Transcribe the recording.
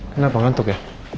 kenapa ngantuk ya